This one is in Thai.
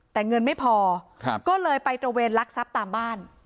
แต่เงินไม่พอก็เลยไปตระเวนลักทรัพย์ตามบ้าน